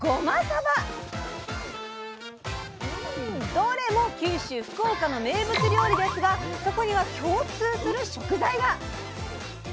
どれも九州福岡の名物料理ですがそこには共通する食材が。